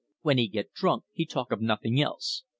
When he get drunk he talk of nothing else.